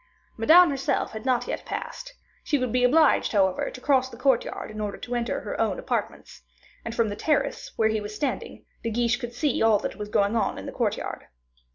Madame herself had not yet passed; she would be obliged, however, to cross the courtyard in order to enter her own apartments; and, from the terrace where he was standing, De Guiche could see all that was going on in the courtyard.